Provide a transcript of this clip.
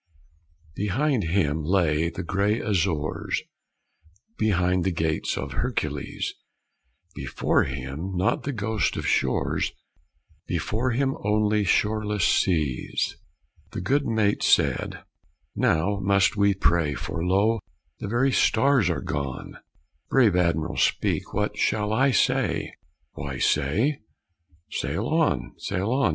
Behind him lay the gray Azores, Behind the Gates of Hercules; Before him not the ghost of shores: Before him only shoreless seas. The good mate said: "Now must we pray, For lo! the very stars are gone. Brave Adm'r'l, speak; what shall I say?" "Why, say: 'Sail on! sail on!